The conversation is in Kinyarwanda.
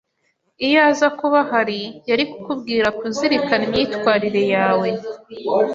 Iyo aza kuba ahari, yari kukubwira kuzirikana imyitwarire yawe.